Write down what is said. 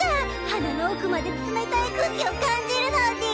鼻の奥まで冷たい空気を感じるのでぃす！